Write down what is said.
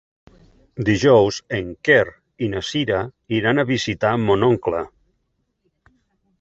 Dijous en Quer i na Cira iran a visitar mon oncle.